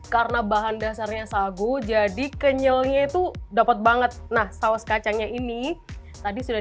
karena bahan dasarnya sagu jadi kenyelnya itu dapat banget nah saus kacangnya ini tadi sudah